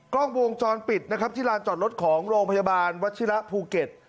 กล้องวงจรปิดนะครับที่ลานจอดรถของโรงพยาบาลวัชิระภูเก็ต